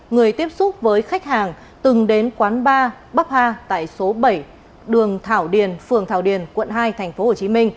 người tiếp xúc với khách hàng từng đến quán bar bắc hà tại số bảy đường thảo điền phường thảo điền quận hai tp hcm